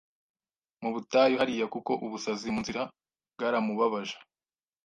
Mu butayu hariya kuko ubusazi munzira bwaramubabaje